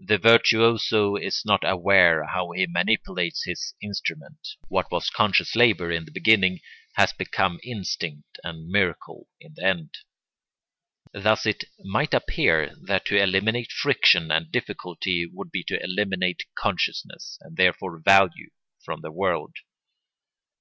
The virtuoso is not aware how he manipulates his instrument; what was conscious labour in the beginning has become instinct and miracle in the end. Thus it might appear that to eliminate friction and difficulty would be to eliminate consciousness, and therefore value, from the world.